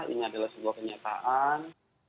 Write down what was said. ini adalah sebuah kenyataan